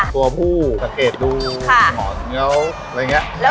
ตัวผู้สะเกดดูหอนเง้าอะไรอย่างเงี้ย